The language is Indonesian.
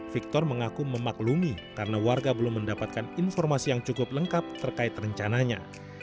victor mengaku memaklumi karena warga belum mendapatkan informasi yang cukup lengkap terkait rencananya